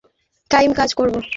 এখানেই full time কাজ করব।